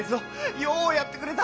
ようやってくれた！